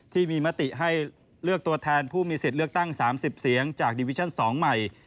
ที่มีมติให้เลือกตัวแทนผู้มีสิทธิ์เลือกตั้ง๓๐เสียงจากดิวิชั่น๒ใหม่